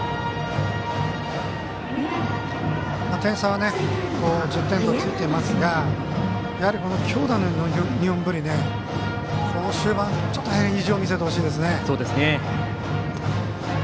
点差は１０点とついていますが強打の日本文理、この終盤意地を見せてほしいですね。